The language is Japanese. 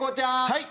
はい。